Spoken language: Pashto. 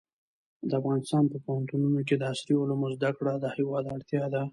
د افغانستان په پوهنتونونو کې د عصري علومو زده کړه د هېواد اړتیا ده.